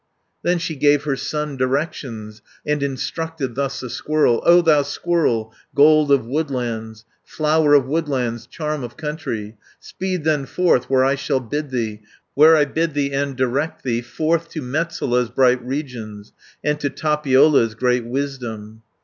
210 "Then she gave her son directions, And instructed thus the squirrel: 'O thou squirrel, gold of woodlands, Flower of woodlands, charm of country, Speed then forth where I shall bid thee, Where I bid thee and direct thee, Forth to Metsola's bright regions, And to Tapiola's great wisdom.